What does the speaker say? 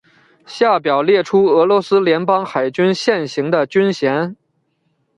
下表列出俄罗斯联邦海军现行的军衔。